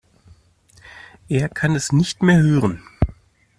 Er kann es nicht mehr hören.